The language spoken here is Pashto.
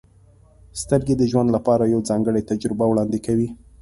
• سترګې د ژوند لپاره یوه ځانګړې تجربه وړاندې کوي.